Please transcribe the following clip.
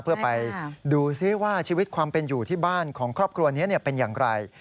เพื่อไปดูซิว่าชีวิตความเป็นอยู่ที่บ้านของครอบครัวนี้เป็นอย่างไร